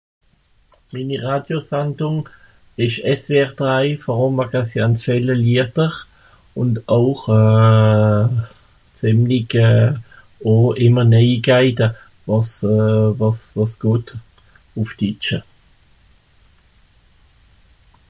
minni radiosandung esch SWR drei worùm .... viele lieder ùnd auch euhh zìmlig euh o ìmme neujikeite wàs euh wàs wàs gòt ùff ditsch